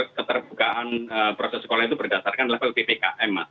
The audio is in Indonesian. indikator keterbukaan proses sekolah itu berdasarkan level ppkm